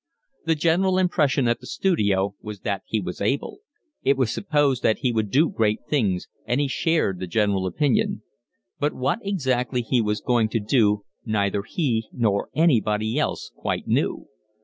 The general impression at the studio was that he was able; it was supposed that he would do great things, and he shared the general opinion; but what exactly he was going to do neither he nor anybody else quite knew.